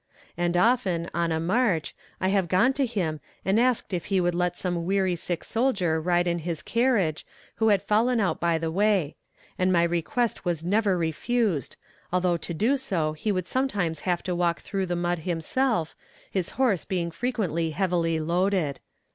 And often, on a march, I have gone to him, and asked if he would let some weary sick soldier ride in his carriage, who had fallen out by the way and my request was never refused, although to do so he would sometimes have to walk through the mud himself, his horse being frequently heavily loaded.